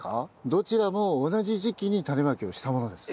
どちらも同じ時期にタネまきをしたものです。